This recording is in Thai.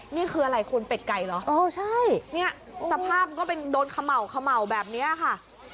นี่คืออะไรคุณเป็ดไก่เหรอนี่สภาพก็เป็นโดนเขม่าแบบนี้ค่ะ